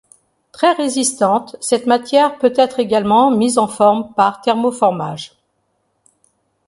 Très résistante, cette matière peut-être également mise en forme par thermoformage.